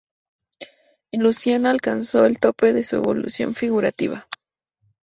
En Lucania alcanzó el tope de su evolución figurativa.